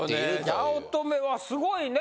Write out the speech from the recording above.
八乙女はすごいね。